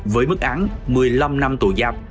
với mức án một mươi năm năm tù giam